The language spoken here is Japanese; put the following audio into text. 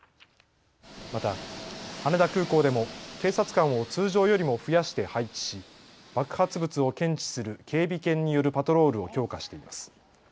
また羽田空港でも警察官を通常よりも増やして配置し爆発物を検知する警備犬によるパトロールを強化しています。